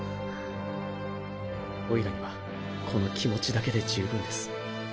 オイラにはこの気持ちだけで十分です。